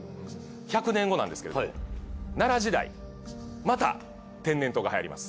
１００年後なんですけれど奈良時代また天然痘が流行ります。